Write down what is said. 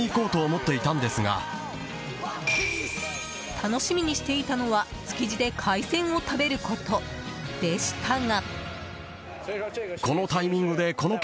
楽しみにしていたのは築地で海鮮を食べることでしたが。